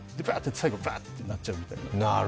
最後、バッとなっちゃうみたいな。